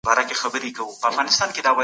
له خلګو سره نېکي کوئ.